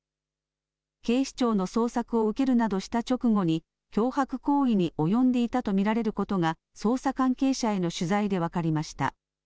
警視庁の捜索を受けるなどした直後に脅迫行為に及んでいたと見られることが捜査関係者への取材で分かりました。